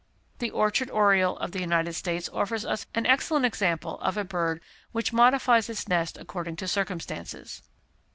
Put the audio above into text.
The orchard oriole of the United States offers us an excellent example of a bird which modifies its nest according to circumstances.